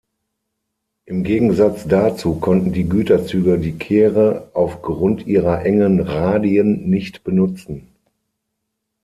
Im Gegensatz dazu konnten die Güterzüge die Kehre aufgrund ihrer engen Radien nicht benutzen.